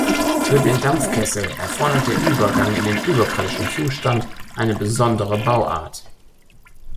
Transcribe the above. Für den Dampfkessel erfordert der Übergang in den überkritischen Zustand eine besondere Bauart.